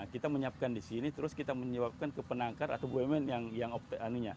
kita menyiapkan di sini terus kita menyiapkan ke penangkar atau bumn yang